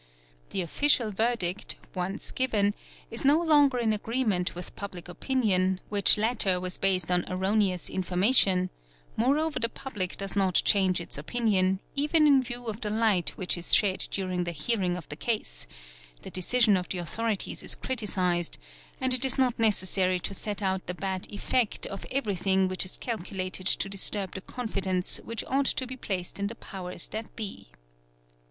The official verdict, once given, is no longer in agreement with public opinion, which latter was based on erroneous information; moreover the public does not change its opinion, even in view of the light which is shed during the hearing of the case; the decision of the authorities is criticised ; and it is not necessary to set out the bad effect of everything which is calculated — to disturb the confidence which ought to be placed in the Powers That Be.